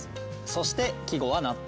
そして季語は納豆。